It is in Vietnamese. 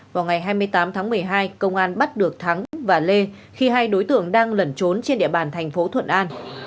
vào ngày hai mươi tám tháng một mươi hai công an bắt được thắng và lê khi hai đối tượng đang lẩn trốn trên địa bàn thành phố thuận an